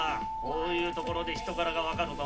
こういうところで人柄がわかるぞ。